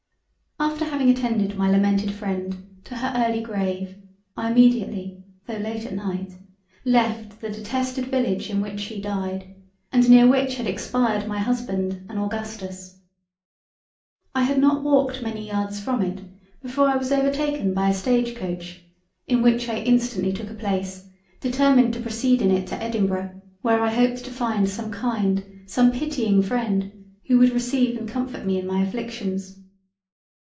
After having attended my lamented freind to her Early Grave, I immediately (tho' late at night) left the detested Village in which she died, and near which had expired my Husband and Augustus. I had not walked many yards from it before I was overtaken by a stage coach, in which I instantly took a place, determined to proceed in it to Edinburgh, where I hoped to find some kind some pitying Freind who would receive and comfort me in my afflictions.